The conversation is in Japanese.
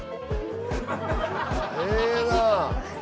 ええなあ！